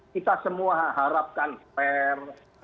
kita semua harapkan fair